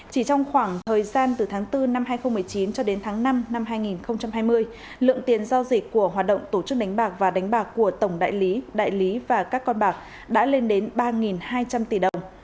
chỉ trong khoảng thời gian từ tháng bốn năm hai nghìn một mươi chín cho đến tháng năm năm hai nghìn hai mươi lượng tiền giao dịch của hoạt động tổ chức đánh bạc và đánh bạc của tổng đại lý đại lý và các con bạc đã lên đến ba hai trăm linh tỷ đồng